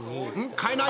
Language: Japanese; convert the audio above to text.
変えない？